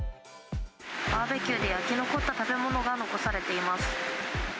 バーベキューで焼き残った食べ物が残されています。